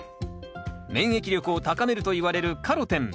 免疫力を高めるといわれるカロテン。